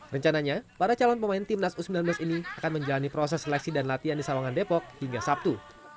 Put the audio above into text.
rencananya para calon pemain timnas u sembilan belas ini akan menjalani proses seleksi dan latihan di sawangan depok hingga sabtu